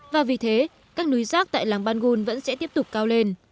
và vì thế các núi rác tại làng bangun vẫn sẽ tiếp tục cao lên